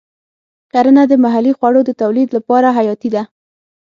کرنه د محلي خوړو د تولید لپاره حیاتي ده.